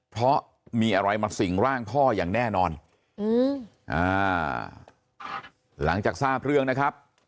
เพราะมีอะไรมาสิ่งร่างพ่ออย่างแน่นอนอืมอ่าหลังจากทราบเรื่องนะครับ